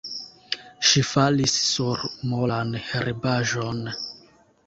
Ŝi falis sur molan herbaĵon.